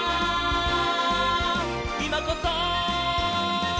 「いまこそ！」